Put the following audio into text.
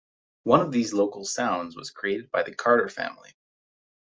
One of these local sounds was created by the Carter Family.